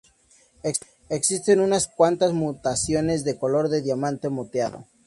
Existen unas cuantas mutaciones de color de diamante moteado.